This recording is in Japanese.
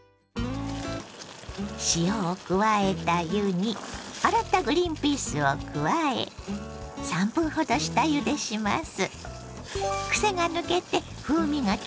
塩を加えた湯に洗ったグリンピースを加え３分ほど下ゆでします。